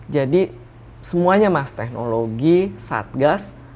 jadi semuanya mas teknologi satgas